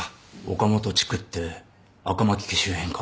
岡本地区って赤巻家周辺か。